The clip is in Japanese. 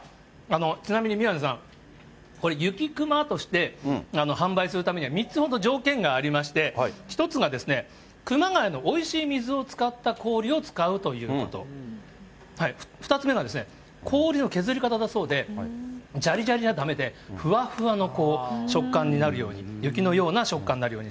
ちなみに宮根さん、これ、雪くまとして販売するためには、３つほど条件がありまして、１つがですね、熊谷のおいしい水を使った氷を使うということ、２つ目が氷の削り方だそうで、じゃりじゃりじゃだめで、ふわふわの食感になるように、雪のような食感になるように。